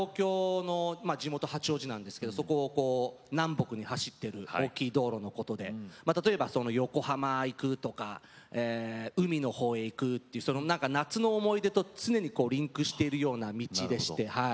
地元八王子なんですけどそこを南北に走っている大きい道路のことで例えば、横浜に行くとか海のほうへ行く夏の思い出と常にリンクしているような道でして。